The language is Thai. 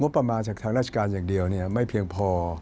ประมาณจากทางราชการอย่างเดียวไม่เพียงพอ